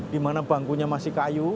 di mana bangkunya masih kayu